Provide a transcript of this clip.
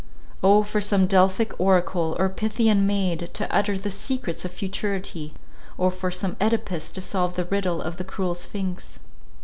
O for some Delphic oracle, or Pythian maid, to utter the secrets of futurity! O for some Œdipus to solve the riddle of the cruel Sphynx!